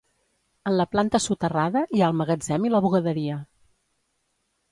En la planta soterrada hi ha el magatzem i la bugaderia.